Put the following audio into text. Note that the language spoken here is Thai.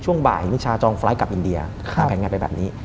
ช่วงบ่ายมิชาจองไฟล์กลับอินเดียเอาแผนงานไปแบบนี้